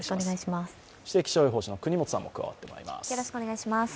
気象予報士の國本さんも加わってもらいます。